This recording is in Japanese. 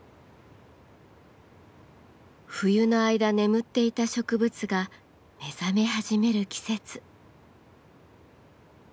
冬の間眠っていた植物が目覚め始める季節。